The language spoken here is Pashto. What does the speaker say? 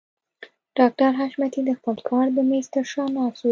ډاکټر حشمتي د خپل کار د مېز تر شا ناست و.